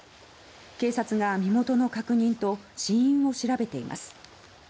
警察が身元の確認と死因を調べています。